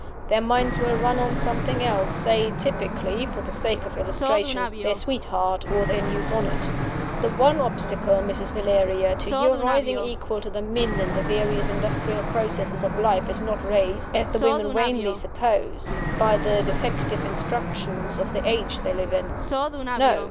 Their minds will run on something else say; typically, for the sake of illustration, their sweetheart or their new bonnet. The one obstacle, Mrs. Valeria, to your rising equal to the men in the various industrial processes of life is not raised, as the women vainly suppose, by the defective institutions of the age they live in. No!